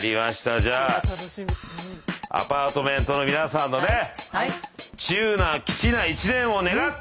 じゃあアパートメントの皆さんのね中な吉な１年を願って。